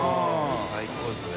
最高ですね。